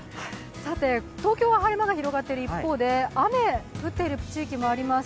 東京は晴れ間が広がっている一方で雨が降っている地域もあります。